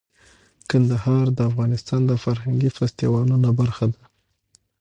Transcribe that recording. کندهار د افغانستان د فرهنګي فستیوالونو برخه ده.